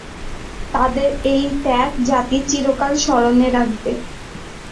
তাদের এই ত্যাগ জাতি চিরকাল স্মরণে রাখবে।